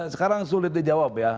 sekarang sulit dijawab ya